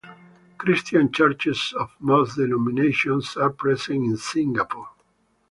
Christian churches of most denominations are present in Singapore.